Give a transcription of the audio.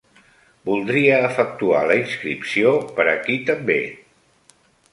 Voldria efectuar la inscripció per aquí també.